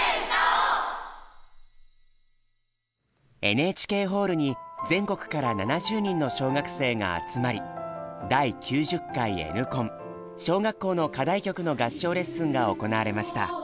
ＮＨＫホールに全国から７０人の小学生が集まり第９０回Ｎコン小学校の課題曲の合唱レッスンが行われました。